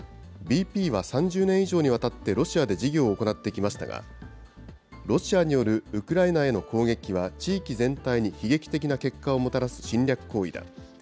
ＢＰは３０年以上にわたってロシアで事業を行ってきましたが、ロシアによるウクライナへの攻撃は地域全体に悲劇的な結果をもたらす侵略行為だ。